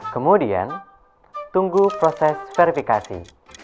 kemudian tunggu proses verifikasi